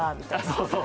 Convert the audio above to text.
そうそう！